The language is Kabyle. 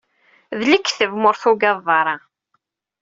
D lekdeb ma ur tugadeḍ ara!